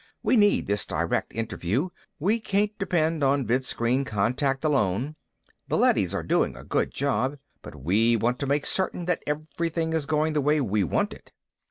We need this direct interview; we can't depend on vidscreen contact alone. The leadys are doing a good job, but we want to make certain that everything is going the way we want it."